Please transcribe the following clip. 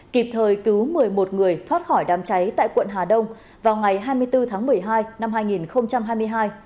kịp thời cứu một mươi một người thoát khỏi đám cháy tại quận hà đông vào ngày hai mươi bốn tháng một mươi hai năm hai nghìn hai mươi hai